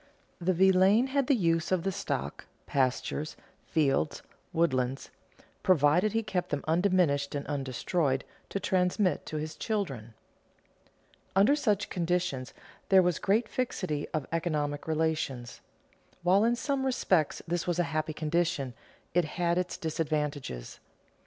The villein had the use of the stock, pastures, fields, woodlands, provided he kept them undiminished and undestroyed to transmit to his children. Under such conditions there was great fixity of economic relations. While in some respects this was a happy condition, it had its disadvantages.